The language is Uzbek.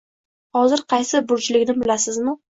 Hozir qaysi burjligini bilasizmi?